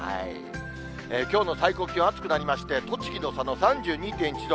きょうの最高気温、暑くなりまして、栃木の佐野３２．１度。